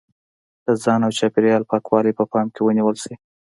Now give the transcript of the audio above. د ځان او چاپېریال پاکوالی په پام کې ونیول شي.